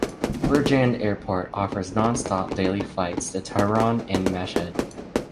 Birjand Airport offers non-stop daily flights to Tehran and Mashhad.